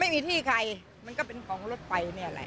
ไม่มีที่ใครมันก็เป็นของรถไฟนี่แหละ